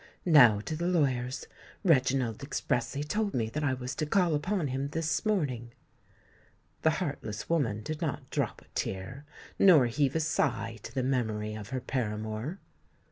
"Now to the lawyer's: Reginald expressly told me that I was to call upon him this morning." The heartless woman did not drop a tear nor heave a sigh to the memory of her paramour.